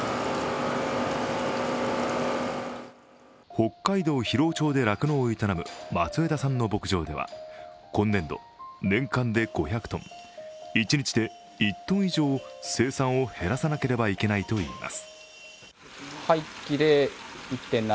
北海道広尾町で酪農を営む松枝さんの牧場では今年度、年間で５００ｔ、一日で１ｔ以上、生産を減らさなければいけないといいます。